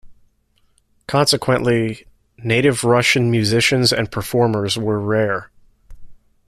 Consequently, native Russian musicians and performers were rare.